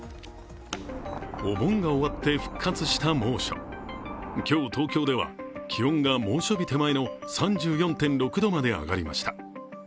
お盆が終わって復活した猛暑、今日東京では、気温が猛暑日手前の３４．６度まで上がりました。